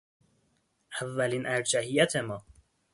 اولین ارجحیت ما